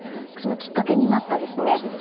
そのきっかけになったですね